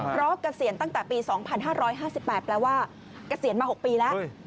เพราะเกษียณตั้งแต่ปี๒๕๕๘แปลว่าเกษียณมา๖ปีแล้ว